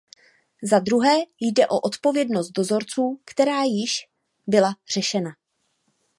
Za druhé jde o odpovědnost dovozců, která již byla řešena.